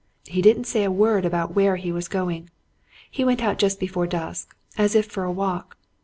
"He didn't say a word about where he was going. He went out just before dusk, as if for a walk.